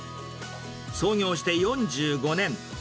創業して４５年。